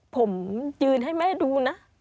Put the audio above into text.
ผมยืนให้แม่ดูนะ